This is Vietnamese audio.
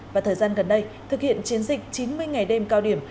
và thời gian gần đây thực hiện chiến dịch chín mươi ngày đêm cao điểm